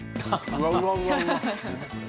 うわうわうわうわ。